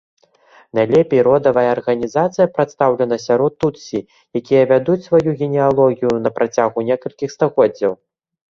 Найлепей родавая арганізацыя прадстаўлена сярод тутсі, якія вядуць сваю генеалогію на працягу некалькіх стагоддзяў.